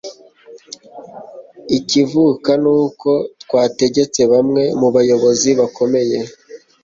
ikivuka ni uko rwategetse bamwe mubayobozi bakomeye